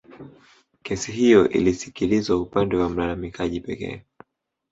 Kesi hiyo ilisikilizwa upande wa mlalamikaji pekee